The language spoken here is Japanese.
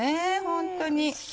ホントに。